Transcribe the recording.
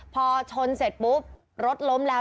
พอชนเสร็จปุ๊บรถล้มแล้ว